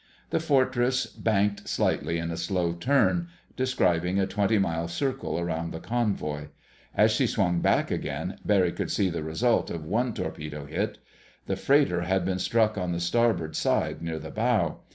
The Fortress banked slightly in a slow turn, describing a twenty mile circle around the convoy. As she swung back again, Barry could see the result of one torpedo hit. The freighter had been struck on the starboard side near the bow.